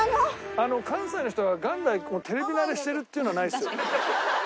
あの関西の人は元来テレビ慣れしてるっていうのはないですよね？